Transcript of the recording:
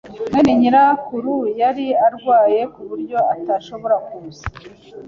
mwene nyirakuru yari arwaye, ku buryo atashoboraga kuza.